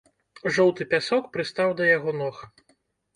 Жоўты пясок прыстаў да яго ног.